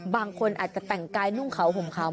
บางคนอาจจะแต่งกายนุ่งขาวห่มขาว